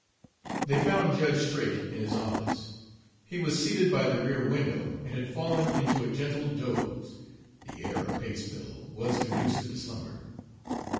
They found Judge Straight in his office. He was seated by the rear window, and had fallen into a gentle doze the air of Patesville was conducive to slumber.